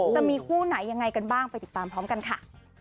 จะมีคู่ไหนยังไงกันบ้างไปติดตามพร้อมกันค่ะ